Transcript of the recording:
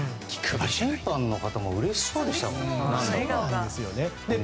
審判の方もうれしそうでしたもんね。